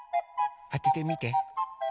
あててみて。